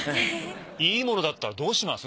いいものだったらどうします？